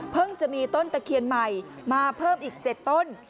เพิ่งจะมีต้นตะเคียนใหม่มาเพิ่มอีกเจ็ดต้น